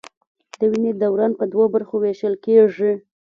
د وینې دوران په دوو برخو ویشل کېږي.